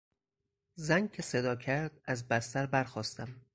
زنگ که صدا کرد از بستر برخاستم.